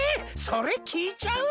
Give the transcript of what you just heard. それきいちゃう？